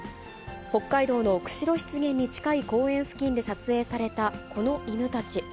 北海道の釧路湿原に近い公園付近で撮影されたこの犬たち。